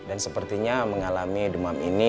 artinya mengalami demam ini